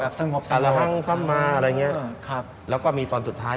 แบบสงบนะครับค่ะสมอะไรอย่างนี้แล้วก็มีตอนสุดท้าย